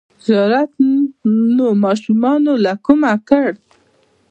ـ زیارت نوماشومان له کومه کړل!